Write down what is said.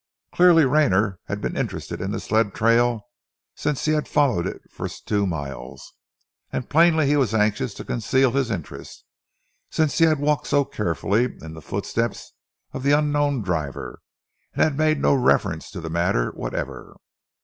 Clearly Rayner had been interested in the sled trail since he had followed it for two miles; and plainly he was anxious to conceal his interest, since he had walked so carefully in the footsteps of the unknown driver, and had made no reference to the matter whatever.